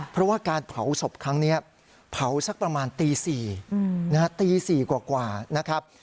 เพราะว่าการเผาศพครั้งนี้เผาสักประมาณตี๔ตี๔กว่านะครับ